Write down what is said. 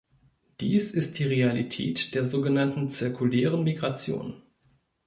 Dies ist die Realität der so genannten zirkulären Migration.